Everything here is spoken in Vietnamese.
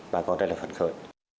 bà con rất là phấn khởi